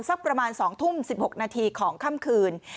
สักประมาณสองทุ่มสิบหกนาทีของค่ำคืน